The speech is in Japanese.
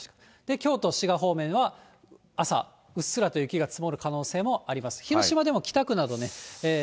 京都、滋賀方面は朝、うっすらと雪が積もる可能性があります。